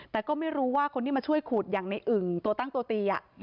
แต่ก็ไม่รู้ว่าคนที่มาช่วยขูดอย่างในอึ่งตัวตั้งตัวตี